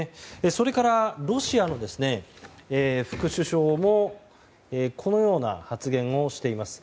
それからロシアの副首相もこのような発言をしています。